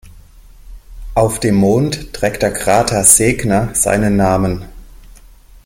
Auf dem Mond trägt der Krater Segner seinen Namen.